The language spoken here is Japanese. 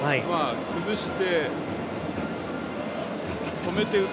崩して、止めて打つ。